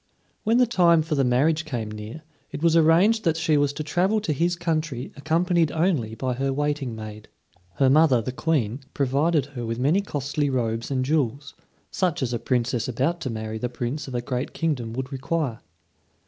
When the time for the marriage came near, it was arranged that she was to travel to his country accompanied only by her waiting maid. Her mother, the Queen, provided her with many costly robes and jewels, such as a Princess about to marry the Prince of a great kingdom would require.